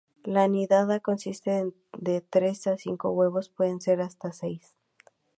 La nidada consiste de tres a cinco huevos, pueden ser hasta seis.